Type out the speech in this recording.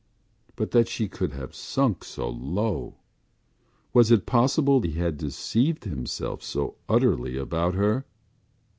But that she could have sunk so low! Was it possible he had deceived himself so utterly about her?